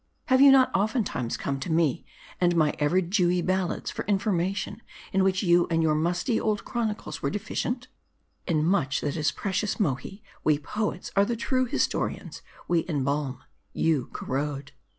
Have you not oftentimes come to me, and my ever dewy ballads for information, in which you and your musty old chronicles were deficient ? M A R D I. 323 In much that is precious, Mohi, we poets are the true his torians ; we embalm ; you corrode."